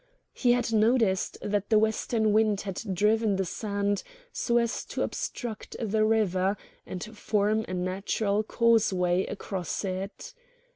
He had noticed that the western wind had driven the sand so as to obstruct the river and form a natural causeway across it.